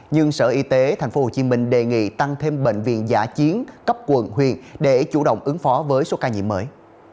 nhưng sở y tế tp hcm đề nghị tăng thêm bệnh viện giả chiến cấp quận huyện để chủ động ứng phó với số ca nhiễm mới